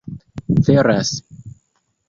veras